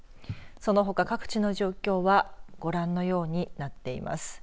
そのほか各地の状況はご覧のようになっています。